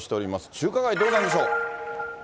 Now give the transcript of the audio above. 中華街、どうなんでしょう。